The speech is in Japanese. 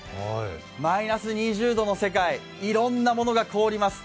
マイナス２０度の世界、いろんなものが凍ります。